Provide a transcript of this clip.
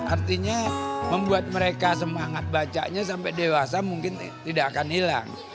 artinya membuat mereka semangat bacanya sampai dewasa mungkin tidak akan hilang